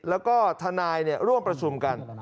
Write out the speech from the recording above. แล้วก็ทนายร่วมประชุมกัน